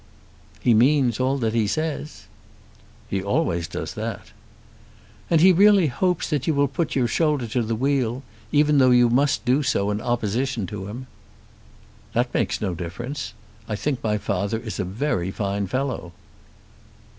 "He means all that he says." "He always does that." "And he really hopes that you will put your shoulder to the wheel; even though you must do so in opposition to him." "That makes no difference. I think my father is a very fine fellow."